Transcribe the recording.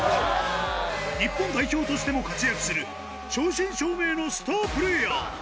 日本代表としても活躍する、正真正銘のスタープレーヤー。